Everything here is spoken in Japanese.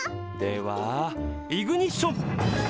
ではイグニッション！